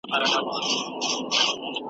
هسي نه چي د زمان خزان دي یوسي .